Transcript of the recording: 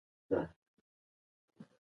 اخلاق مو د ایمان نښه ده.